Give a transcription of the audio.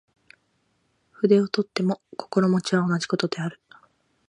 筆を執とっても心持は同じ事である。